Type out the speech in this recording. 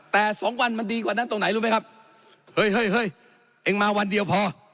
แต่สองวันมันดีกว่านั้นตรงไหนรู้ไหมครับเฮ้ยเฮ้ยเองมาวันเดียวพอ